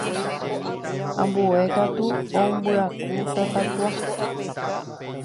ambue katu ombyaku tatakua.